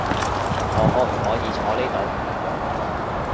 我可唔可以坐呢度？